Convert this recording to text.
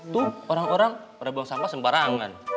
tuh orang orang pada buang sampah sembarangan